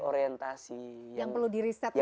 orientasi yang perlu di reset lagi ya